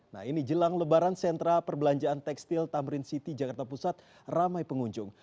nah ini jelang lebaran sentra perbelanjaan tekstil tamrin city jakarta pusat ramai pengunjung